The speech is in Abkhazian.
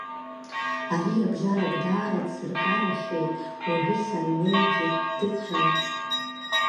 Ариабжьарак даара дсыркарахьеит, уажәы саннеигьы дыцәан…